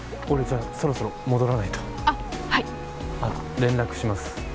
俺じゃあそろそろ戻らないとあっはい連絡します